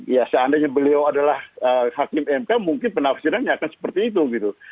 ya seandainya beliau adalah hakim mk mungkin penafsirannya akan seperti itu gitu